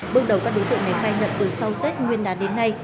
bước đầu các đối tượng này khai nhận từ sau tết nguyên đán đến nay